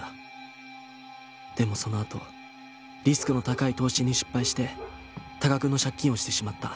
でもそのあとリスクの高い投資に失敗して多額の借金をしてしまった。